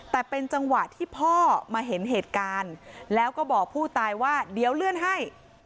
แต่เป็นจังหวะที่พ่อมาเห็นเหตุการณ์แล้วก็บอกผู้ตายว่าเดี๋ยวเลื่อนให้